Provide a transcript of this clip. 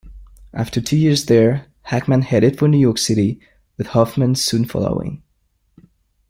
After two years there, Hackman headed for New York City, with Hoffman soon following.